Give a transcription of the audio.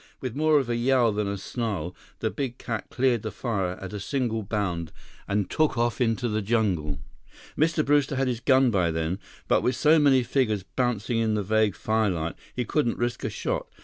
With more of a yowl than a snarl, the big cat cleared the fire at a single bound and took off into the jungle. Mr. Brewster had his gun by then, but with so many figures bouncing in the vague firelight, he couldn't risk a shot.